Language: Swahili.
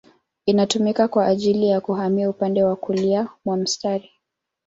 Inatumika kwa ajili ya kuhamia upande wa kulia mwa mstari.